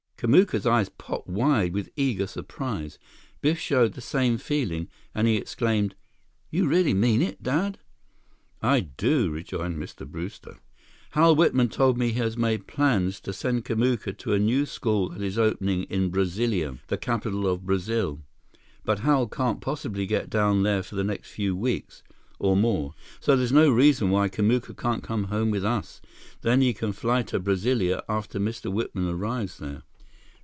Kamuka's eyes popped wide with eager surprise. Biff showed the same feeling, when he exclaimed, "You really mean it, Dad?" "I do," rejoined Mr. Brewster. "Hal Whitman told me he has made plans to send Kamuka to a new school that is opening in Brasilia, the capital of Brazil. But Hal can't possibly get down there for the next few weeks, or more. So there's no reason why Kamuka can't come home with us. Then he can fly to Brasilia after Mr. Whitman arrives there."